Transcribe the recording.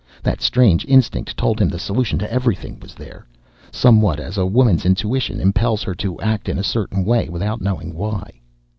That strange instinct told him the solution to everything was there somewhat as a woman's intuition impels her to act in a certain way, without knowing why.